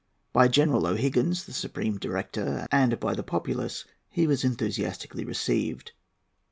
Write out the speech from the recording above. By General O'Higgins, the Supreme Director, and by the populace he was enthusiastically received.